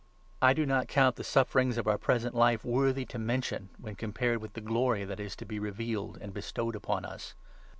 N* 362 ROMANS, 8. I do not count the sufferings of our present life worthy 18 of mention when compared with the Glory that is to be revealed and bestowed upon us.